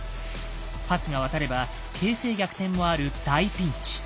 パスが渡れば形勢逆転もある大ピンチ。